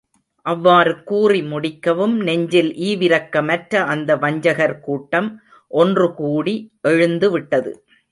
அவ்வாறு கூறி முடிக்கவும் நெஞ்சில் ஈவிரக்கமற்ற அந்த வஞ்சகர் கூட்டம் ஒன்றுகூடி எழுந்துவிட்டது.